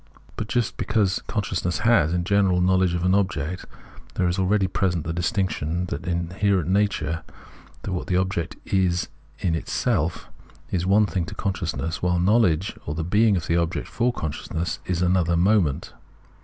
But just because consciousness has, in general, knowledge of an object, there is already present the distinction that the inherent nature, what the object is in itself, is one thing to consciousness, while knowledge, or the being of the object for con sciousness, is another moment.